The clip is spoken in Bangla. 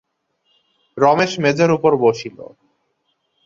রমেশ মেজের উপরে বসিল।